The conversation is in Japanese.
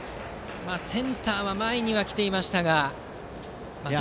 センターは前には来ていましたが。